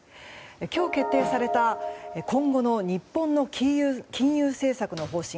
今日、決定された今後の日本の金融政策の方針。